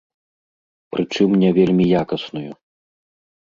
Прычым, не вельмі якасную.